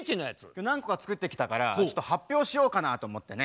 今日何個か作ってきたからちょっと発表しようかなと思ってね。